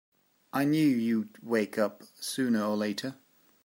I knew you'd wake up sooner or later!